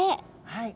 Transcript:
はい。